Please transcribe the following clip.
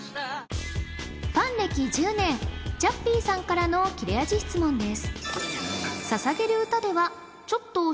ファン歴１０年チャッピーさんからの切れ味質問です